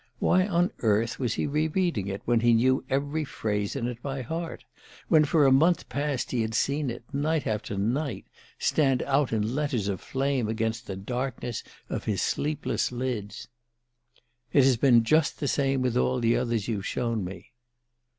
Why on earth was he re reading it, when he knew every phrase in it by heart, when for a month past he had seen it, night after night, stand out in letters of flame against the darkness of his sleepless lids? "_It has been just the same with all the others you've shown me.